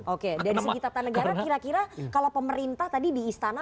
oke dari segi tata negara kira kira kalau pemerintah tadi di istana